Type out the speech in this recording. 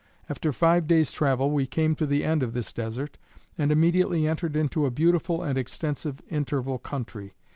After five days travel we came to the end of this desert, and immediately entered into a beautiful and extensive interval country.